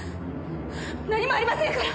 何もありませんから！